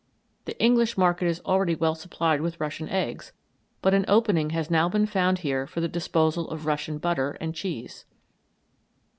The English market is already well supplied with Russian eggs, but an opening has now been found here for the disposal of Russian butter and cheese.